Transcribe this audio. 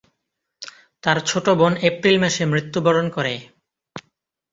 তার ছোট বোন এপ্রিল মাসে মৃত্যুবরণ করে।